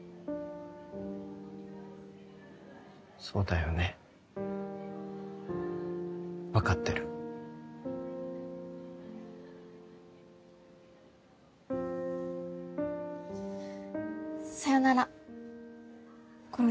そうだよね分かってるさよならころ